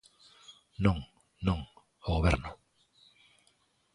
Non, non, o Goberno.